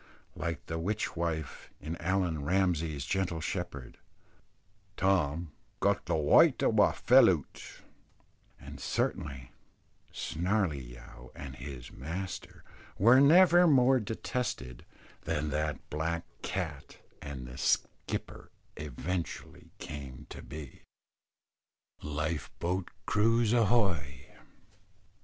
Like the witch wife in Allan Ramsay's Gentle Shepherd Tom "Got the wyte o' a' fell oot;" and certainly Snarley yow and his master were never more detested than that black cat, and the skipper eventually came to be. "LIFE BOAT'S CREW, AHOY!"